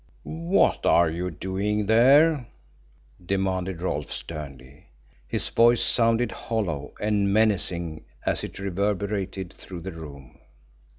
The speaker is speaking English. "What are you doing there?" demanded Rolfe sternly. His voice sounded hollow and menacing as it reverberated through the room.